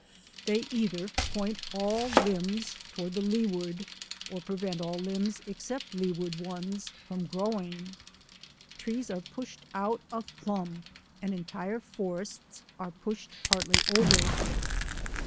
They either point all limbs to ward the leeward or prevent all limbs except lee ward ones from growing. Trees are pushed out of plumb and entire forests are pushed partly over.